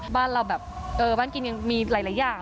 บ้านเราแบบบ้านกินยังมีหลายอย่าง